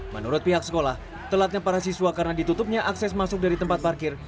menurut pihak sekolah telatnya para siswa karena ditutupnya akses masuk dari tempat parkir